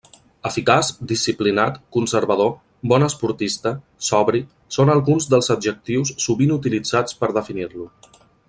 Eficaç, disciplinat, conservador, bon esportista, sobri, són alguns dels adjectius sovint utilitzats per definir-lo.